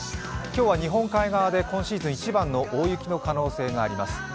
今日は日本海側で今シーズン一番の大雪の可能性があります。